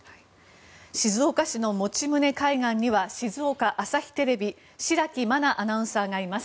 静岡市の用宗海岸には静岡朝日テレビ白木愛奈アナウンサーがいます。